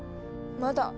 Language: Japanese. まだ。